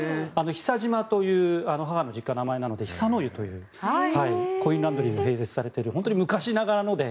久島という、母の実家が名前なので、久の湯というコインランドリーが併設されている本当に昔ながらので。